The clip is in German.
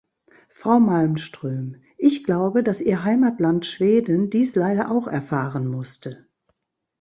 Frau Malmström, ich glaube, dass Ihr Heimatland Schweden dies leider auch erfahren musste.